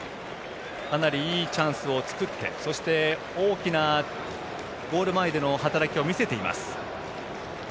かなりいいチャンスを作ってそして、大きなゴール前での働きを見せています。